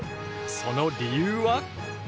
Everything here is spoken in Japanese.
その理由は？